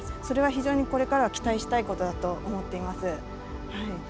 それは非常にこれからは期待したいことだと思っていますはい。